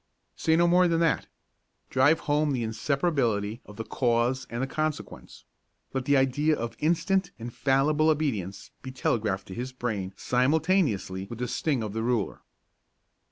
Say no more than that. Drive home the inseparability of the cause and the consequence; let the idea of instant, infallible obedience be telegraphed to his brain simultaneously with the sting of the ruler.